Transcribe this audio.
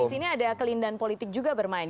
di sini ada kelindahan politik juga bermain